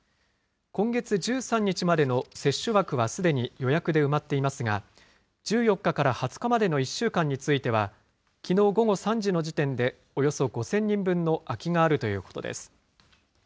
今月１３日までの接種枠は、すでに予約で埋まっていますが、１４日から２０日までの１週間については、きのう午後３時の時点で、およそ５０００人分の空きがあるということです。